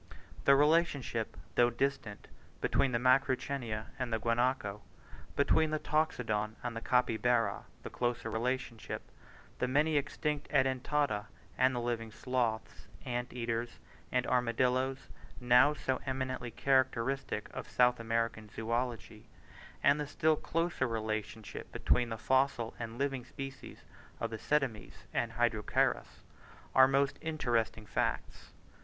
The relationship, though distant, between the Macrauchenia and the Guanaco, between the Toxodon and the Capybara, the closer relationship between the many extinct Edentata and the living sloths, ant eaters, and armadillos, now so eminently characteristic of South American zoology, and the still closer relationship between the fossil and living species of Ctenomys and Hydrochaerus, are most interesting facts.